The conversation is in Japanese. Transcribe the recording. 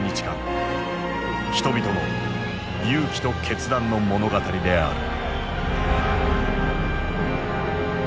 人々の勇気と決断の物語である。